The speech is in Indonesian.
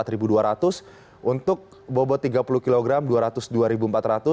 rp dua ratus untuk bobot tiga puluh kg rp dua ratus dua empat ratus